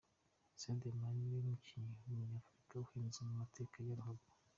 Sadio Mane ni we mukinnyi w’Umunyafurika uhenze mu mateka ya ruhago.